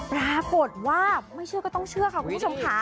ปรากฏว่าไม่เชื่อก็ต้องเชื่อค่ะคุณผู้ชมค่ะ